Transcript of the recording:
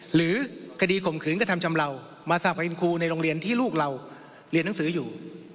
หรือคดีข่มขืนกระทำชำเลามาทราบเป็นครูในโรงเรียนที่ลูกเราเรียนหนังสืออยู่